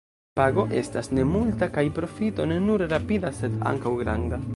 Pago estas ne multa kaj profito ne nur rapida sed ankaŭ granda.